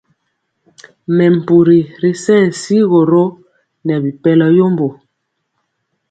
Mɛmpuri ri sɛŋ sigoro nɛ bipɛlɔ yembo.